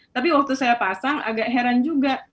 tapi waktu saya pasang agak heran juga